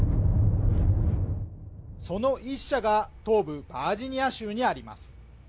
その一社が東部バージニア州にあります。